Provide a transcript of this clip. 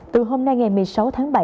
từ hôm nay ngày một mươi sáu tháng bảy